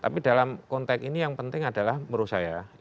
tapi dalam konteks ini yang penting adalah menurut saya